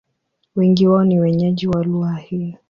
Wengi wao ni wenyeji wa lugha hii.